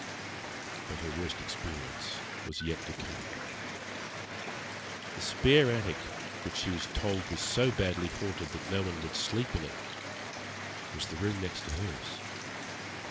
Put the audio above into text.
But her worst experience was yet to come. The spare attic which she was told was so badly haunted that no one would sleep in it, was the room next to hers.